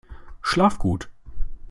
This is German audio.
Schlaf gut!